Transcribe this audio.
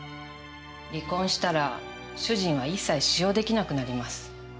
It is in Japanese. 離婚したら主人は一切使用出来なくなります。